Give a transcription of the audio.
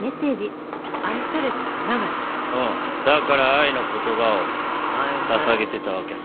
だから愛の言葉をささげてたわけさ。